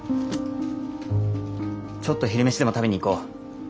ちょっと昼飯でも食べに行こう。